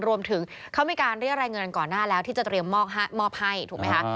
รวมถึงเขามีการเรียกรายเงินกันก่อนหน้าแล้วที่จะเตรียมมอบให้ถูกไหมคะ